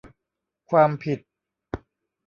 ความผิด